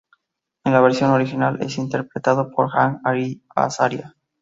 En la versión original es interpretado por Hank Azaria.